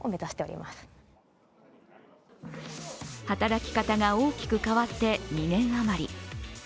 働き方が大きく変わって２年余り。